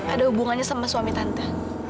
ada hubungannya sama suami tante